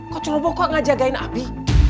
kok celoboh kok gak jagain abi